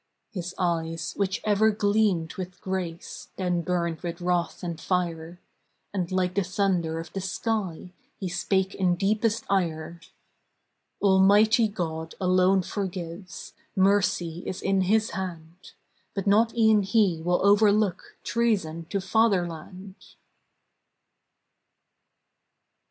His eyes, which ever gleamed with grace, Then burned with wrath and fire, And like the thunder of the sky He spake in deepest ire :— "Almighty God alone forgives, Mercy is in His hand! But not e'en He will overlook Treason to fatherland!"